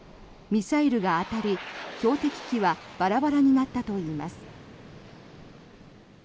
ミサイルが当たり標的機はバラバラになったといいます。